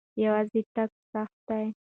یوازې تګ سخت دی.